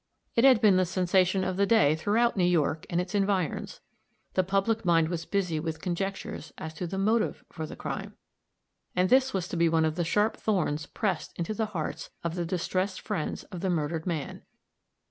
It had been the sensation of the day throughout New York and its environs. The public mind was busy with conjectures as to the motive for the crime. And this was to be one of the sharp thorns pressed into the hearts of the distressed friends of the murdered man.